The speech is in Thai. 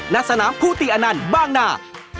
นัดสนามภูติอันนั่นบ้างหน้า